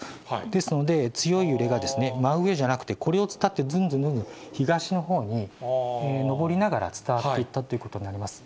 ですので、強い揺れが真上じゃなくて、これを伝ってずんずんずんずん東のほうにのぼりながら伝わっていったということになります。